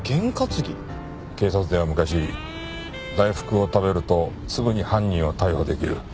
警察では昔大福を食べるとすぐに犯人を逮捕出来る。